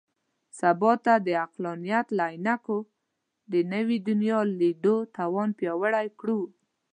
سبا ته د عقلانیت له عینکو د نوي دنیا لیدو توان پیاوړی کړو.